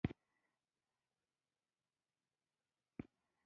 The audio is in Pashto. • شتمني د حلالې لارې برکت لري.